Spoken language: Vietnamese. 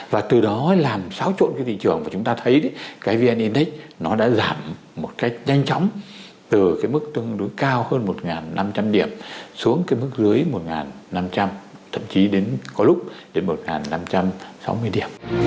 và từ đó làm xáo trộn cái thị trường và chúng ta thấy cái vn index nó đã giảm một cách nhanh chóng từ cái mức tương đối cao hơn một năm trăm linh điểm xuống cái mức dưới một năm trăm linh thậm chí đến có lúc đến một năm trăm sáu mươi điểm